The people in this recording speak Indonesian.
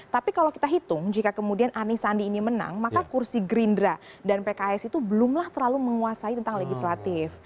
tapi kalau kita hitung jika kemudian anies sandi ini menang maka kursi gerindra dan pks itu belumlah terlalu menguasai tentang legislatif